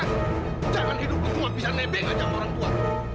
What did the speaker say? jangan hidup kecuali bisa nebeng aja sama orang tua